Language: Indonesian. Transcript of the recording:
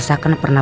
gak ada ulang